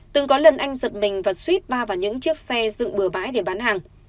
từng có lần anh giật mình và suýt ba vào những chiếc xe dựng bừa bãi để bán hàng